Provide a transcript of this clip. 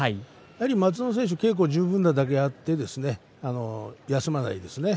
松園選手は稽古十分なだけあって休まないですね。